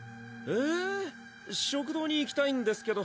え食堂に行きたいんですけど。